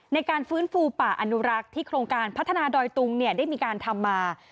ในการฟื้นฟูป่าอนุรักษ์ที่โครงการพัฒนาดอยตุงได้มีการทำมา